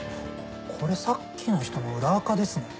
これさっきの人の裏アカですね。